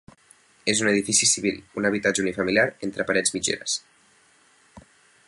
És un edifici civil, un habitatge unifamiliar entre parets mitgeres.